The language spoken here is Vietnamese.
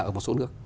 ở một số nước